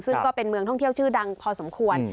ซึ่งก็เป็นเมืองท่องเที่ยวชื่อดังพอสมควร